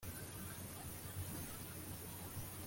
yego, iminsi yacu ni nk'igicucu gihita